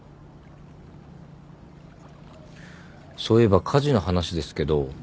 そういえば火事の話ですけど。